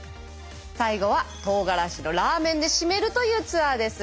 最後はとうがらしのラーメンで締めるというツアーです。